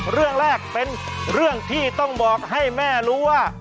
เรื่องแรกเป็นเรื่องที่ต้องบอกให้แม่รู้ว่า